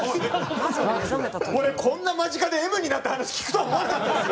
俺こんな間近でＭになった話聞くとは思わなかったですよ。